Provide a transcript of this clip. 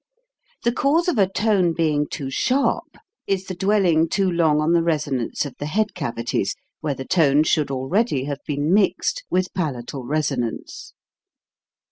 The cause of a tone being too sharp is the dwell ing too long on the resonance of the head cavi ties, where the tone should already have been mixed with palatal resonance.